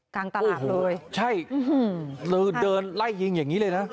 กลางตลาดเลยโอ้โหใช่หรือเดินไล่ยิงอย่างงี้เลยนะ